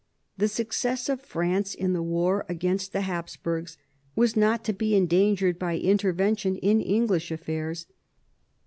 The success of France in the war against the Hapsburgs was not to be endangered by inter vention in English affairs.